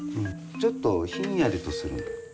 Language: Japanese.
ちょっとひんやりとする。